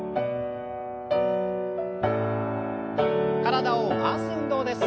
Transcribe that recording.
体を回す運動です。